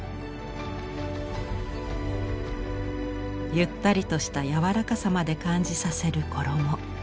ゆったりとした柔らかさまで感じさせる衣。